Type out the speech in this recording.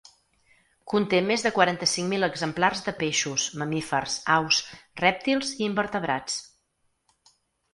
Conté més de quaranta-cinc mil exemplars de peixos, mamífers, aus, rèptils i invertebrats.